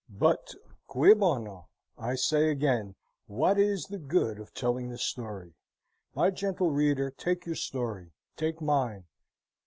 But cui bono? I say again. What is the good of telling the story? My gentle reader, take your story: take mine.